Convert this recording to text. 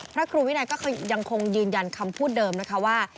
พระครูวินัยก็ยังคงยืนยันคำพูดเดิมนะคะว่า